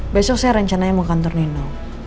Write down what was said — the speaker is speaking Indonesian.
besok saya rencananya mau kantor nino